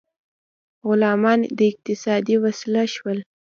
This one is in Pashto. غلامان اقتصادي وسیله شول.